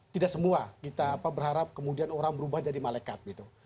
tidak semua kita berharap kemudian orang berubah jadi malekat gitu